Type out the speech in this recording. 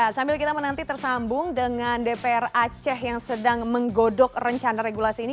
sambil kita menanti tersambung dengan dpr aceh yang sedang menggodok rencana regulasi ini